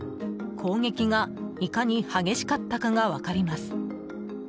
攻撃がいかに激しかったかが分かります。